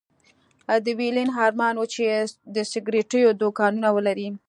د ويلين ارمان و چې د سګرېټو دوکانونه ولري